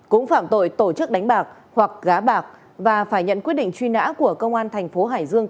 cũng phạm tội tổ chức đánh bạc hoặc gá bạc và phải nhận quyết định truy nã của công an thành phố hải dương